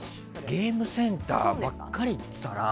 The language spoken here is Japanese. ゲームセンターばっかり行ってたな。